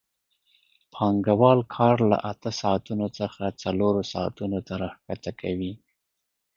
پانګوال کار له اته ساعتونو څخه څلور ساعتونو ته راښکته کوي